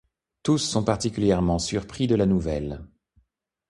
Tous sont particulièrement surpris de la nouvelle.